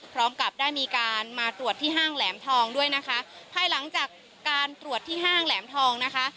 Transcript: พร้อมกับได้มีการมาตรวจที่ห้างแหลมทองด้วยนะคะภายหลังจากการตรวจที่ห้างแหลมทองนะคะ